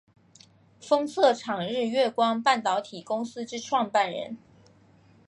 封测厂日月光半导体公司之创办人。